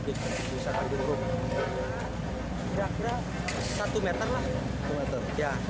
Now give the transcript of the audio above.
kira kira satu meter lah